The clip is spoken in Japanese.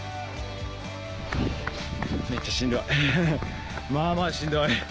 めっちゃしんどいまぁまぁしんどい。